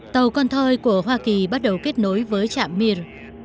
tàu con thoi của hoa kỳ bắt đầu kết nối với trạm miền